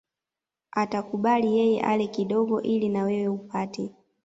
Atakubali yeye ale kidogo ili na wewe upate